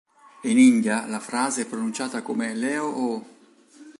In India la frase è pronunciata come "leo-ho".